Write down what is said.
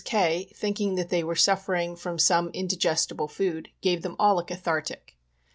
K., thinking that they were suffering from some indigestable food, gave them all a cathartic.